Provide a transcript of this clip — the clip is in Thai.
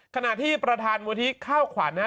ขณะที่ประธานมธิข้าวขวัญนะฮะ